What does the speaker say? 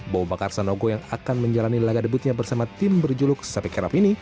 bau bakar sanogo yang akan menjalani laga debutnya bersama tim berjuluk sapi kerap ini